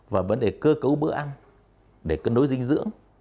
và vấn đề cơ cấu bữa ăn để cân đối dinh dưỡng